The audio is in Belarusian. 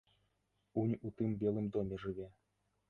Унь у тым белым доме жыве.